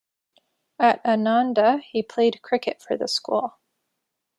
At Ananda he played cricket for the school.